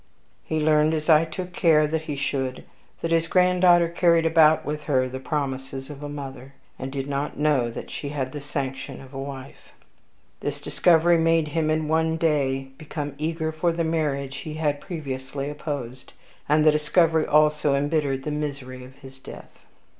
He learned, as I took care that he should, that his granddaughter carried about with her the promises of a mother, and did not know that she had the sanction of a wife. This discovery made him, in one day, become eager for the marriage he had previously opposed; and this discovery also embittered the misery of his death.